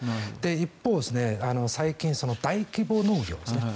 一方、最近、大規模農業ですね。